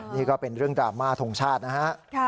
นี่ก็เป็นเรื่องดราม่าทงชาตินะฮะ